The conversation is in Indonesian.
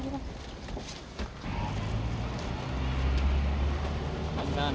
bukannya dari tadi